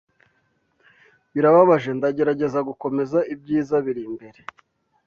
birababaje ndagerageza gukomeza ibyiza birimbere